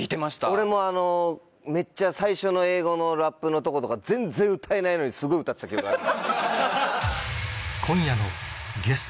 俺もめっちゃ最初の英語のラップのとことか全然歌えないのにすごい歌ってた記憶ある。